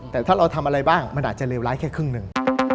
แต่ถ้าเราทำอะไรบ้างมันอาจจะเลวร้ายแค่ครึ่งหนึ่ง